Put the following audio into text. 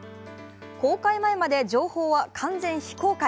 公開前まで情報は完全非公開。